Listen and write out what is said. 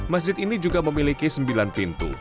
masjid ini juga memiliki sembilan pintu